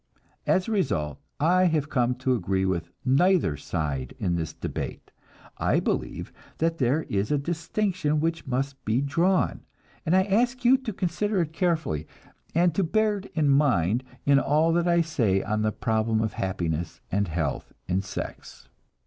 As a result I have come to agree with neither side in the debate. I believe that there is a distinction which must be drawn, and I ask you to consider it carefully, and bear it in mind in all that I say on the problem of happiness and health in sex.